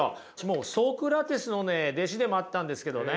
ソクラテスのね弟子でもあったんですけどね。